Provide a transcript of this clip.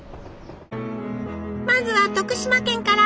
まずは徳島県から！